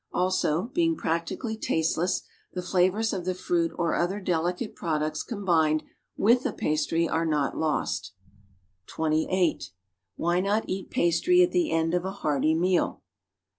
Also, being practically tasteless, the flavors of the fruit or other delicate products combined with the pastry are not lost. (28) Wh^' not eat pastry at the end of a hearty meal?